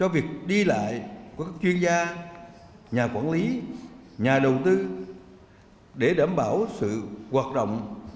việc đi lại của các chuyên gia nhà quản lý nhà đầu tư để đảm bảo sự hoạt động